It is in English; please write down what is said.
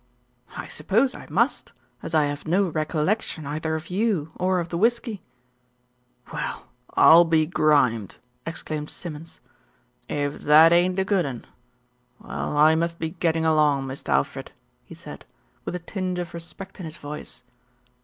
"I suppose I must, as I have no recollection, either of you or of the whisky." "Well, I'll be grimed," exclaimed Simmons. "If LITTLE BILSTEAD RECEIVES A SHOCK 75 that ain't a good 'un. Well, I must be getting along, Mist' Alfred," he said, with a tinge of respect in his voice.